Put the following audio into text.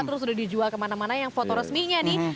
terus sudah dijual kemana mana yang foto resminya nih